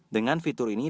dengan fitur ini